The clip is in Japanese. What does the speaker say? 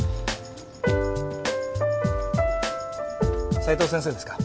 斉藤先生ですか？